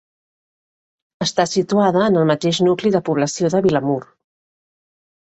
Està situada en el mateix nucli de població de Vilamur.